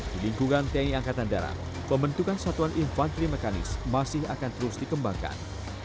di lingkungan tni angkatan darat pembentukan satuan infanteri mekanis masih akan terus dikembangkan